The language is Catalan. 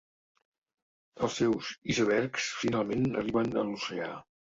Els seus icebergs finalment arriben a l'oceà.